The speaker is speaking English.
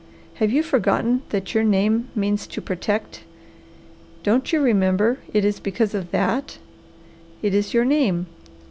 "Have you forgotten that your name means 'to protect?' Don't you remember it is because of that, it is your name?